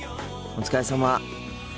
お疲れさま。